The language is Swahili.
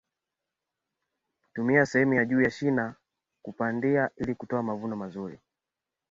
tumia sehemu ya juu ya shina kupandia ili hutoa mavuno mazuri